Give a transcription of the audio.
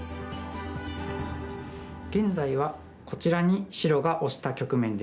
現在はこちらに白がオシた局面です。